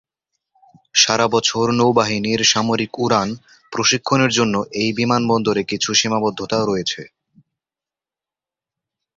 সারা বছর নৌবাহিনীর সামরিক উড়ান প্রশিক্ষণের জন্য এই বিমানবন্দরের কিছু সীমাবদ্ধতা রয়েছে।